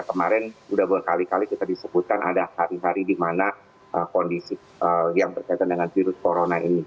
kemarin sudah berkali kali kita disebutkan ada hari hari di mana kondisi yang berkaitan dengan virus corona ini